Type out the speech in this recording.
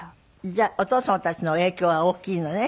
じゃあお父様たちの影響は大きいのね？